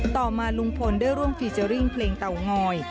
ต่อมาลุงพลได้ร่วมฟีเจอร์ริ่งเพลงเตางอย